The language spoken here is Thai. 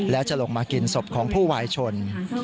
แล้วจะลงมากินศพของผู้วายชน